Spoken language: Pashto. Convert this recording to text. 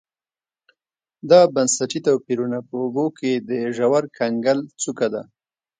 دا بنسټي توپیرونه په اوبو کې د ژور کنګل څوکه ده